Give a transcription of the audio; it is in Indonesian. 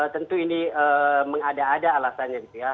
tentu ini mengada ada alasannya gitu ya